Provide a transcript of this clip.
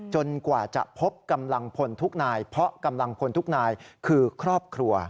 กว่าจะพบกำลังพลทุกนายเพราะกำลังพลทุกนายคือครอบครัว